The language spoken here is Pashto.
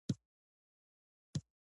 په فعالیتونو کې د سپما له لارې اقتصادي ګټه.